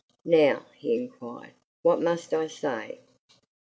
"Now," he inquired, "what must I say?"